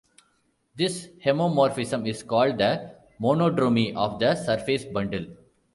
This homeomorphism is called the monodromy of the surface bundle.